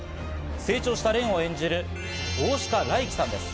成長した蓮を演じる、大鹿礼生さんです。